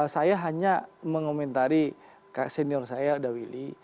saya hanya mengomentari kak senior saya dha willy